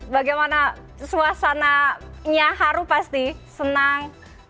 bagaimana suasananya haru pasti senang